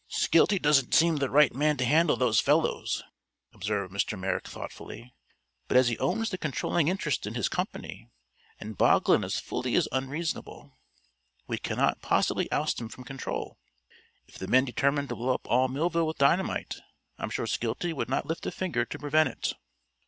"Skeelty doesn't seem the right man to handle those fellows," observed Mr. Merrick thoughtfully; "but as he owns the controlling interest in his company, and Boglin is fully as unreasonable, we cannot possibly oust him from control. If the men determined to blow up all Millville with dynamite I'm sure Skeelty would not lift a finger to prevent it."